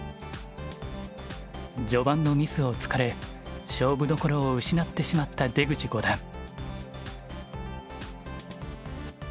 序盤のミスをつかれ勝負どころを失ってしまった出口五段。